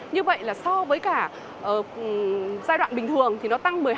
như vậy là so với cả giai đoạn bình thường thì nó tăng một mươi hai